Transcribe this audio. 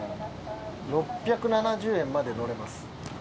６７０円まで乗れます。